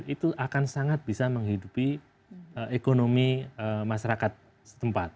itu akan sangat bisa menghidupi ekonomi masyarakat setempat